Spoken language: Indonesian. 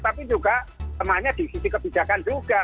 tapi juga temannya di sisi kebijakan juga